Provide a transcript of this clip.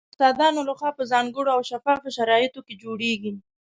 استادانو له خوا په ځانګړو او شفاف شرایطو کې جوړیږي